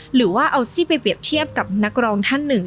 หรือว่าเอาซี่ไปเปรียบเทียบกับนักร้องท่านหนึ่ง